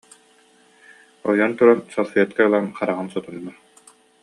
ойон туран салфетка ылан, хараҕын сотунна